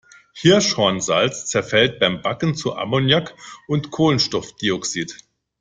Hirschhornsalz zerfällt beim Backen zu Ammoniak und Kohlenstoffdioxid.